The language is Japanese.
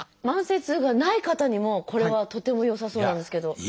慢性痛がない方にもこれはとても良さそうなんですけど。